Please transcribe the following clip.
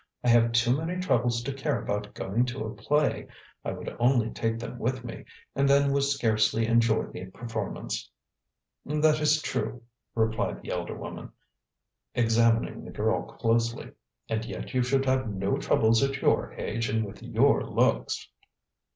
"I have too many troubles to care about going to a play. I would only take them with me, and then would scarcely enjoy the performance." "That is true," replied the elder woman, examining the girl closely; "and yet you should have no troubles at your age and with your looks."